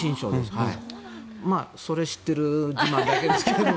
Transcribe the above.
それを知ってるだけですけど。